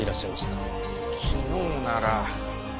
昨日なら。